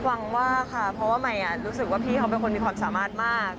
หวังมากค่ะเพราะว่าใหม่รู้สึกว่าพี่เขาเป็นคนมีความสามารถมาก